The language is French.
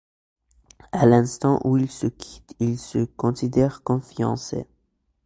À l'instant où ils se quittent, ils se considèrent comme fiancés.